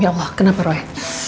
ya allah kenapa roy